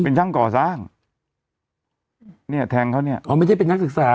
เป็นช่างก่อสร้างเนี่ยแทงเขาเนี่ยอ๋อไม่ได้เป็นนักศึกษา